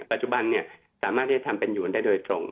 ปัจจุบันสามารถที่จะทำเป็นอยู่ได้โดยตรง